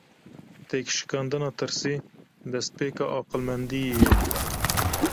Têkşikandina tirsê, destpêka aqilmendiyê ye.